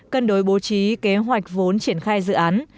cân đối bố trí kế hoạch vốn triển khai dự án